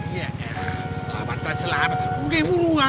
iya ya lambat asal selamat gue buruan